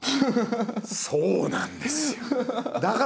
そうなんですよ！